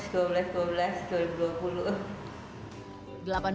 kayak dapat bonus dua belas dua belas dua belas dua puluh